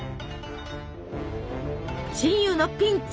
親友のピンチ！